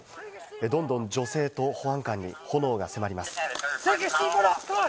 どんどん女性と保安官に炎が迫ります。